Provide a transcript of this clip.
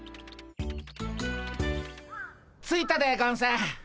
着いたでゴンス。